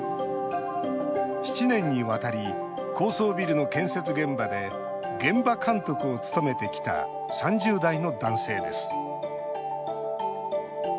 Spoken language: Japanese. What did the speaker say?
７年にわたり高層ビルの建設現場で現場監督を務めてきた３０代の男性です。